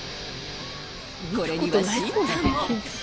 これには審判も。